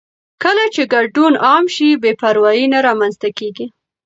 کله چې ګډون عام شي، بې پروايي نه رامنځته کېږي.